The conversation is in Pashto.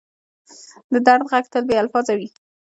د درد ږغ تل بې الفاظه وي.